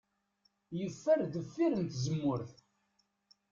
Yeffer deffir n tzemmurt.